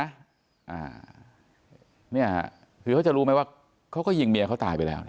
อ่าเนี่ยคือเขาจะรู้ไหมว่าเขาก็ยิงเมียเขาตายไปแล้วนะ